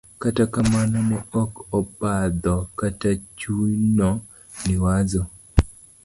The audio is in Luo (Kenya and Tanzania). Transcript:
kata kamano ne ok obadho kata chuno Liwazo.